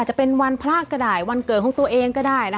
จะเป็นวันพระก็ได้วันเกิดของตัวเองก็ได้